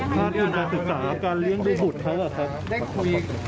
ถ้าตื่นจะศึกษาการเลี้ยงดูหุดเข้าหรือครับ